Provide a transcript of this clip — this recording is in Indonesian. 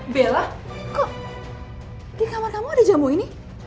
bella kok di kamar kamu ada jamu ini